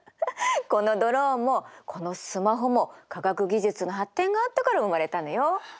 このドローンもこのスマホも科学技術の発展があったから生まれたのよ。